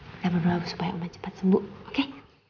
kita berdua supaya ibu cepat sembuh oke